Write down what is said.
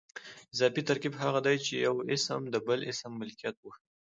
اضافي ترکیب هغه دئ، چي یو اسم د بل اسم ملکیت وښیي.